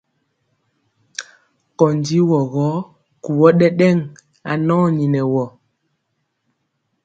Kondi wɔgɔ, kuwɔ ɗɛɗɛŋ anɔni nɛ wɔ.